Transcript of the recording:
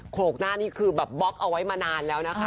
โขกหน้านี่คือแบบบล็อกเอาไว้มานานแล้วนะคะ